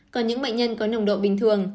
còn những bệnh nhân có nồng độ bình thường